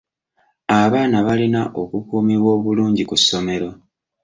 Abaana balina okukuumibwa obulungi ku ssomero.